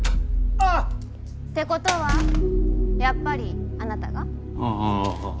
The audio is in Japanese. あ！ってことはやっぱりあなたが？おぉ。